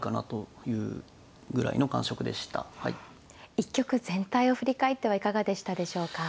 一局全体を振り返ってはいかがでしたでしょうか。